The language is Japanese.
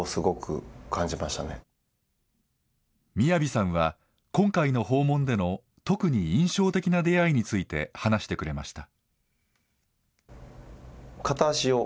ＭＩＹＡＶＩさんは今回の訪問での特に印象的な出会いについて話してくれました。